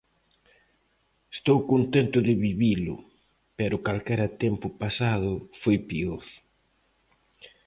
Estou contento de vivilo, pero calquera tempo pasado foi peor.